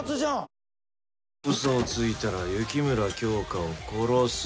嘘をついたら雪村京花を殺す。